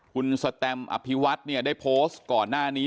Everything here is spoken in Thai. คุณสแตมอภิวัตได้โพสต์ก่อนหน้านี้